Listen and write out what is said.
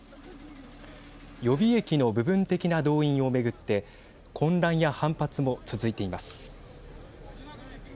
予備役の部分的な動員を巡って混乱や反発も続いています。